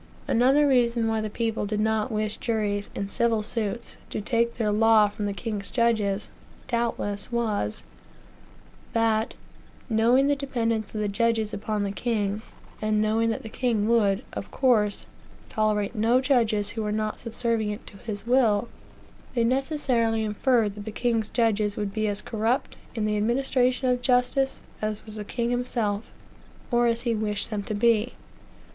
Another reason why the people did not wish juries, in civil suits, to take their law from the king's judges, doubtless was, that, knowing the dependence of the judges upon the king, and knowing that the king would, of course, tolerate no judges who were not subservient to his will, they necessarily inferred; that the king's judges would be as corrupt, in the administration of justice, as was the king himself, or as he wished them to be.